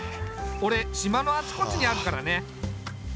俺島のあちこちにあるからね。